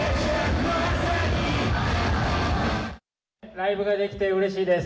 ライブができてうれしいです。